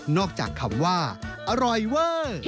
นอกจากคำว่าอร่อยเว้อ